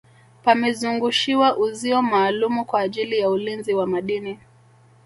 pamezungushiwa uzio maalumu kwa ajili ya ulinzi wa madini